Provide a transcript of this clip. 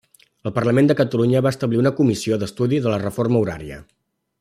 El Parlament de Catalunya va establir una comissió d'estudi de la reforma horària.